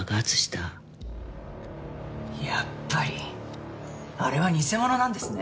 やっぱりあれは偽物なんですね？